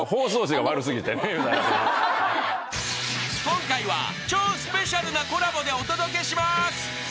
［今回は超スペシャルなコラボでお届けします］